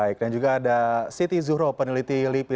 baik dan juga ada siti zuhro peneliti lipi